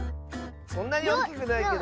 そんなにおおきくないけど。